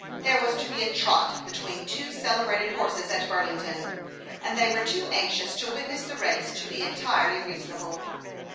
There was to be a "trot" between two celebrated horses, at Burlington, and they were too anxious to witness the race to be entirely rea sonable.